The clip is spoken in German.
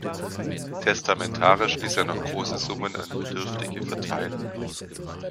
Testamentarisch ließ er noch große Summen an Bedürftige verteilen.